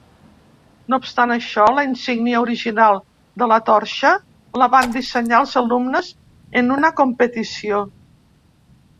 No obstant això, la insígnia original de la torxa la van dissenyar els alumnes en una competició.